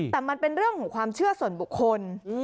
แต่มันเป็นเรื่องของความเชื่อส่วนบุคคล